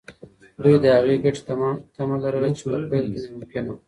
دوی د هغې ګټې تمه لرله چې په پیل کې ناممکنه وه.